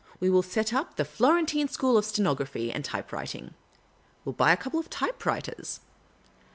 We will set up the Florentine School of Stenography and Typewriting. We '11 buy a couple of typewriters."